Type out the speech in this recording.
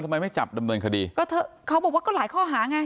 ไม่จับดำเนินคดีก็เถอะเขาบอกว่าก็หลายข้อหาไง